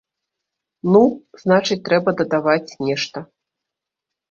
Ну, значыць трэба дадаваць нешта.